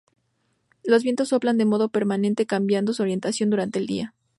Los vientos soplan de modo permanente cambiando su orientación durante el día.